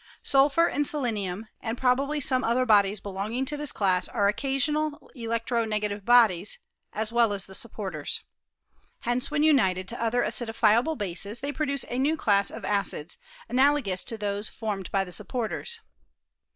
Sulphur and se lenium, and probably some other bodies belonging to this cigss are occasional electro negative bodies, as well as the supporters. Hence, when united to other acidiiiable bases, they produce a new class of acids, analogous to those formed by the supporters.